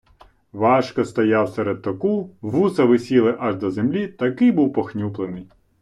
Важко стояв серед току, вуса висіли аж до землі, такий був похнюплений.